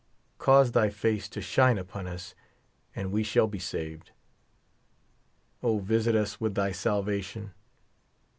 Cause thy face to shine upon us, and we shall be saved. O visit us with thy salvation.